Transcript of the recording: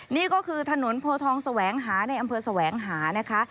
นี่ก็คือถนนโพทองแสวงหาในอำเภอแสวงหานะคะ